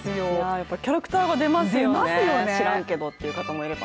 やっぱりキャラクターが出ますよね、しらんけどっていう方もいれば。